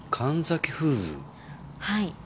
はい。